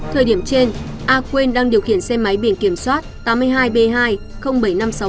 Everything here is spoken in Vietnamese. thời điểm trên a quyên đang điều khiển xe máy biển kiểm soát tám mươi hai b hai bảy nghìn năm trăm sáu mươi